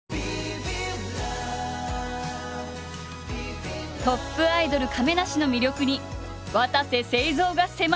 トップアイドル亀梨の魅力にわたせせいぞうが迫る！